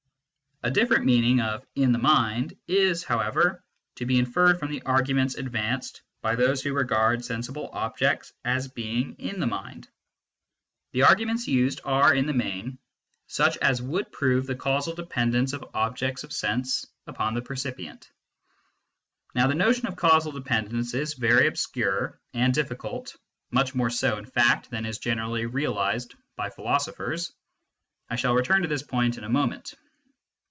A different meaning of "in the mind " is, however, to be inferred from the arguments advanced by those who regard sensible objects as being in the mind. The argu ments used are, in the main, such as would prove the J 134 MYSTICISM AND LOGIC cpusal dependence of objects of sense upon the percipient. Now the notion of causal dependence is very obscure and difficult, much more so in fact than is generally realised by philosophers. I shall return to this point in a moment.